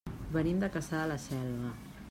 Venim de Cassà de la Selva.